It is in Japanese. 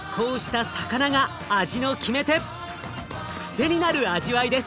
癖になる味わいです。